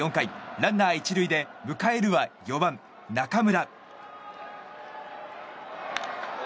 ランナー１塁で迎えるは４番、中村。